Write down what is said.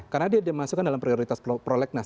karena dia dimasukkan dalam prioritas prolegnas